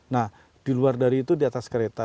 nah di luar dari itu di atas kereta